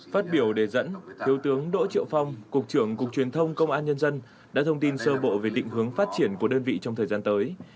phát biểu đề dẫn thiếu tướng đỗ triệu phong cục trưởng cục truyền thông công an nhân dân đã thông tin sơ bộ về định hướng phát triển của đơn vị trong thời gian tới